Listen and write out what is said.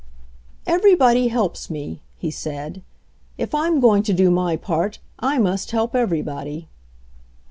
"Everybody helps me," he said. "If Fm going to do my part I must help everybody